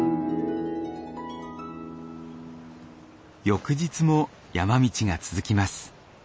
翌日も山道が続きます。